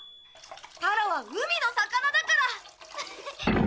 タラは海の魚だから。